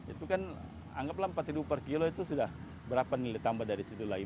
itu kan anggaplah rp empat per kilo itu sudah berapa nilai tambah dari situ lagi